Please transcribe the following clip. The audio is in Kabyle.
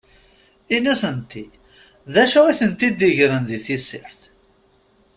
I nutenti, d acu i tent-id-igren di tessirt?